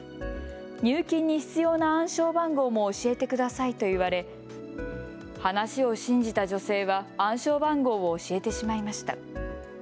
入金に必要な暗証番号も教えてくださいと言われ話を信じた女性は暗証番号を教えてしまいました。